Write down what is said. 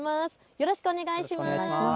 よろしくお願いします。